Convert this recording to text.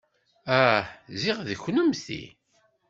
Ah, ziɣ d kennemti.